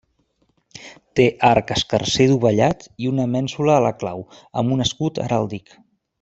Té arc escarser dovellat, i una mènsula a la clau, amb un escut heràldic.